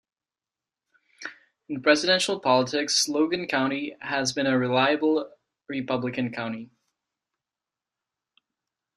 In Presidential politics, Logan County has been a reliable Republican county.